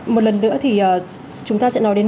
một lần nữa thì chúng ta sẽ nói đến